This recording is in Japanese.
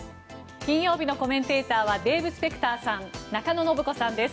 金曜日のコメンテーターはデーブ・スペクターさん中野信子さんです。